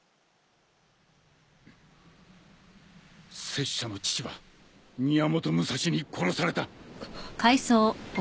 拙者の父は宮本武蔵に殺された。